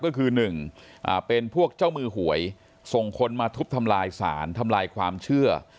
ก็คือ๑เป็นพวกเจ้ามือหวยส่งคนมาทุบทำลายสารทำลายความเชื่อ